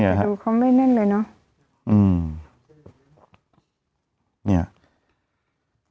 คือดูคำแว่นแน่นเลยนะอืม